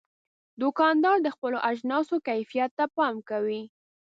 دوکاندار د خپلو اجناسو کیفیت ته پام کوي.